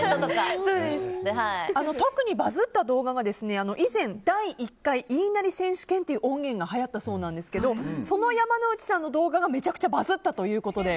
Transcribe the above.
特にバズった動画が以前、「第１回言いなり選手権」という音源がはやったそうなんですがその山之内さんの動画がめちゃくちゃバズったということで。